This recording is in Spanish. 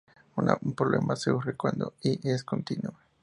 Un problema surge cuando Y es continua.